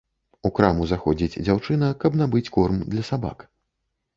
У краму заходзіць дзяўчына, каб набыць корм для сабак.